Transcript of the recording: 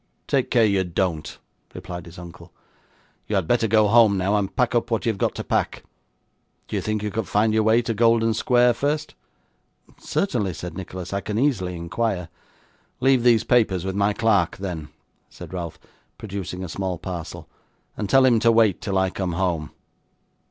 'Take care you don't,' replied his uncle. 'You had better go home now, and pack up what you have got to pack. Do you think you could find your way to Golden Square first?' 'Certainly,' said Nicholas. 'I can easily inquire.' 'Leave these papers with my clerk, then,' said Ralph, producing a small parcel, 'and tell him to wait till I come home.